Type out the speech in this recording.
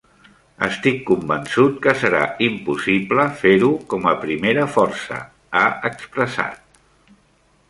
Estic convençut que serà impossible fer-ho com a primera força, ha expressat.